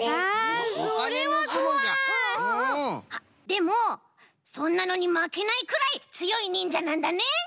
でもそんなのにまけないくらいつよいにんじゃなんだね？